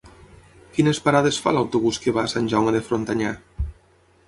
Quines parades fa l'autobús que va a Sant Jaume de Frontanyà?